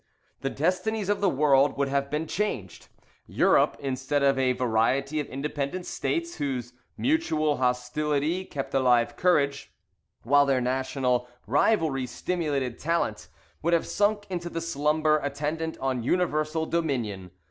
The destinies of the world would have been changed. Europe, instead of a variety of independent states, whose mutual, hostility kept alive courage, while their national rivalry stimulated talent, would have sunk into the slumber attendant on universal dominion.